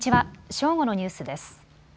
正午のニュースです。